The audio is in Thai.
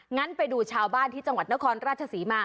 งั้นไปดูชาวบ้านที่จังหวัดนครราชศรีมา